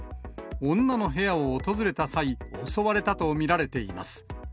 女の部屋を訪れた際、襲われたと見られています。